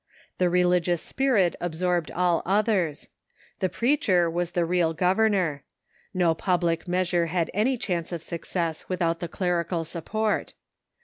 The religious spirit absorbed all others. The preacher was the real governor. No public measure had any chance of success without the clerical support.